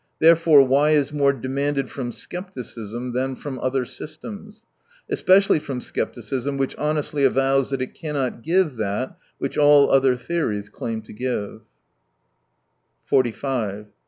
There fore, why is more demanded from scepticism than from other systems ? especially from scepticism, which honestly avows that it cannot give that which all other theories claim to give.